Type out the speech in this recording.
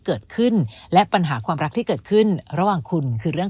เกิดขึ้นและปัญหาความรักที่เกิดขึ้นระหว่างคุณคือเรื่อง